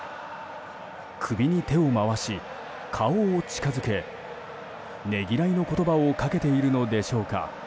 首に手を回し、顔を近づけねぎらいの言葉をかけているのでしょうか。